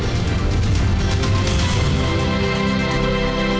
terima kasih banyak